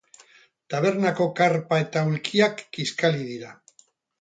Tabernako karpa eta aulkiak kiskali dira.